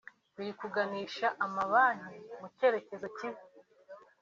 biri kuganisha amabanki mu cyerekezo kibi